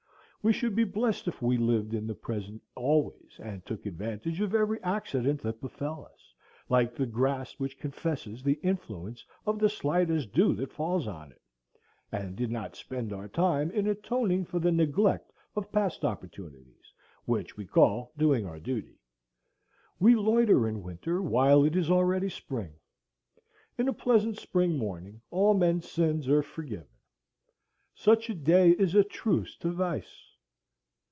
We should be blessed if we lived in the present always, and took advantage of every accident that befell us, like the grass which confesses the influence of the slightest dew that falls on it; and did not spend our time in atoning for the neglect of past opportunities, which we call doing our duty. We loiter in winter while it is already spring. In a pleasant spring morning all men's sins are forgiven. Such a day is a truce to vice.